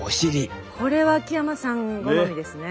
これは秋山さん好みですね。